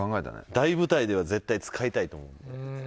大舞台では絶対使いたいと思うんで。